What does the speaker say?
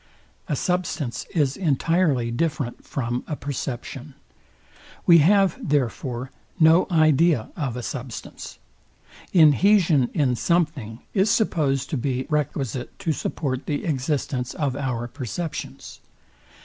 A substance is entirely different from a perception. We have, therefore, no idea of a substance. Inhesion in something is supposed to be requisite to support the existence of our perceptions.